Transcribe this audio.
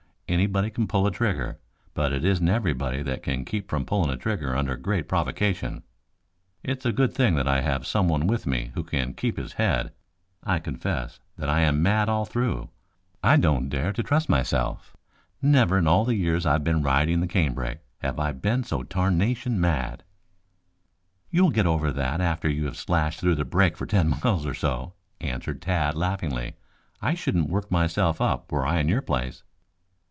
Anybody can pull a trigger, but it isn't everybody that can keep from pulling a trigger under great provocation. It's a good thing that I have someone with me who can keep his head. I confess that I am mad all through. I don't dare to trust myself. Never in all the years I have been riding the canebrake have I been so tarnation mad." "You will get over that after you have slashed through the brake for ten miles or so," answered Tad laughingly. "I shouldn't work myself up were I in your place."